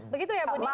begitu ya ibu ninik